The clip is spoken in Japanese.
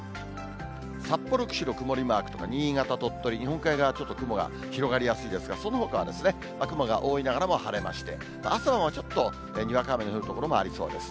札幌、釧路、曇りマーク、新潟、鳥取、日本海側はちょっと雲が広がりやすいですが、そのほかは雲が多いながらも晴れまして、朝晩はちょっとにわか雨の降る所がありそうです。